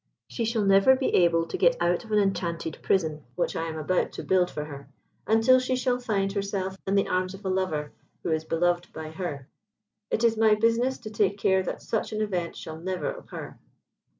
She shall never be able to get out of an enchanted prison which I am about to build for her, until she shall find herself in the arms of a lover who is beloved by her. It is my business to take care that such an event shall never occur."